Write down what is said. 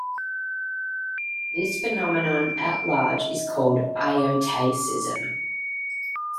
This phenomenon at large is called iotacism.